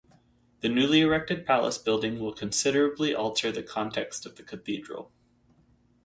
The newly erected palace building will considerably alter the context of the Cathedral.